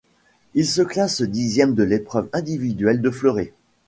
Il se classe dixième de l'épreuve individuelle de fleuret.